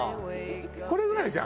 これぐらいじゃん。